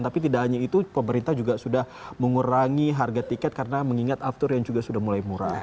tapi tidak hanya itu pemerintah juga sudah mengurangi harga tiket karena mengingat aftur yang juga sudah mulai murah